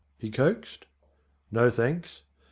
he coaxed. "No thanks."